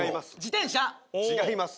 違います。